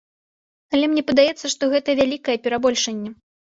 Але мне падаецца, што гэта вялікае перабольшанне.